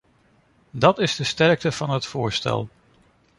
Dat is de sterkte van het voorstel.